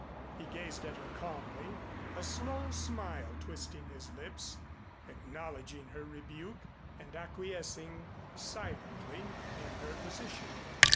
He gazed at her calmly, a slow smile twisting his lips, acknowledging her rebuke, and acquiescing silently in her position.